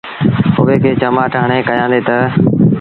اُئي کي چمآٽ هڻي ڪهيآندي تا